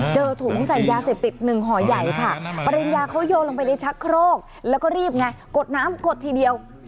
เจอถุงใส่ยาเสพติดหนึ่งห่อใหญ่ค่ะปริญญาเขาโยนลงไปในชักโครกแล้วก็รีบไงกดน้ำกดทีเดียว